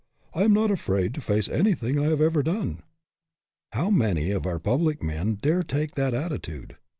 I am not afraid to face anything I have ever done." How many of our public men dare take that attitude?